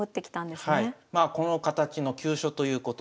まあこの形の急所ということですね。